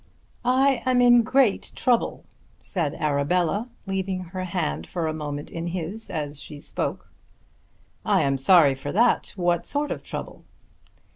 "I am in great trouble," said Arabella, leaving her hand for a moment in his as she spoke. "I am sorry for that. What sort of trouble?"